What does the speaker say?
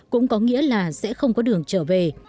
cũng có nghĩa là sẽ không có đường trở về